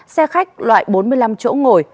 xe khách loại bốn mươi năm chỗ ngồi